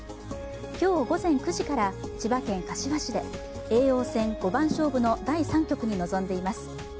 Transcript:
今日午前９時から千葉県柏市で叡王戦五番勝負の第３局に臨んでいます。